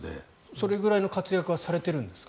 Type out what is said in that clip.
それぐらいの活躍はされているんですか？